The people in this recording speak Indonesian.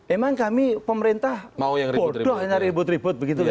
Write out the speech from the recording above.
emang kami pemerintah bodoh hanya ribut ribut begitu kan